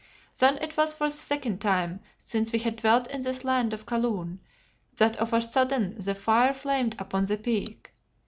Then it was for the second time since we had dwelt in this land of Kaloon that of a sudden the fire flamed upon the Peak.